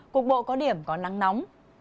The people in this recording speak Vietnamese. cuộc bộ có điểm có nắng nóng